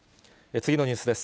次のニュースです。